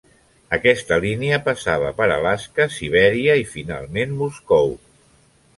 Aquesta línia passava per Alaska, Sibèria i finalment Moscou.